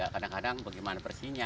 kadang kadang bagaimana bersihnya